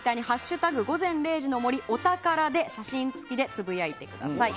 「＃午前０時の森お宝」で写真付きでつぶやいてください。